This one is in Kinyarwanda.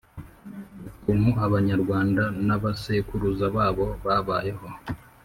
ukuntu abanyarwanda n'abasekuruza babo babayeho